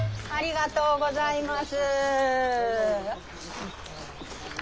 ありがとうございます。